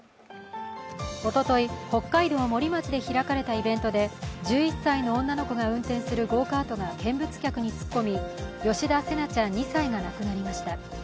おととい、北海道森町で開かれたイベントで１１歳の女の子が運転するゴーカートが見物客に突っ込み吉田成那ちゃん２歳が亡くなりました。